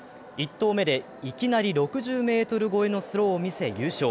１投目でいきなり６０ｍ超えのスローを見せ、優勝。